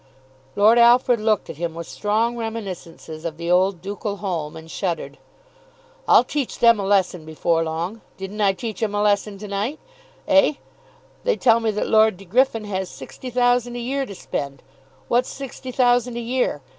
Lord Alfred looked at him, with strong reminiscences of the old ducal home, and shuddered. "I'll teach them a lesson before long. Didn't I teach 'em a lesson to night, eh? They tell me that Lord De Griffin has sixty thousand a year to spend. What's sixty thousand a year?